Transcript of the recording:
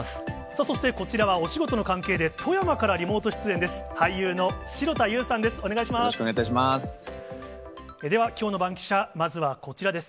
そして、こちらはお仕事の関係で、富山からリモート出演です、俳優の城田優さんです。